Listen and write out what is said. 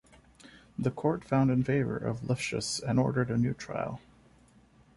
The Court found in favour of Lifchus and ordered a new trial.